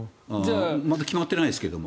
まだ決まってないですけども。